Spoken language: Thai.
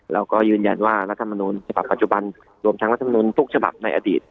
แล้วก็ยืนยันว่ารัฐมนุนฉบับปัจจุบันรวมทั้งรัฐมนุนทุกฉบับในอดีต